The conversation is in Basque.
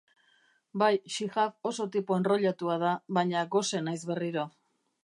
Bai, Xihab oso tipo enrollatua da, baina gose naiz berriro.